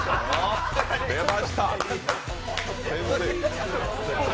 出ました！